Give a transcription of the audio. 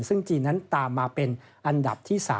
ซึ่งจีนนั้นตามมาเป็นอันดับที่๓